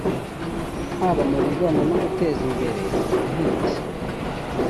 haba mu bijyanye no guteza imbere ubuhinzi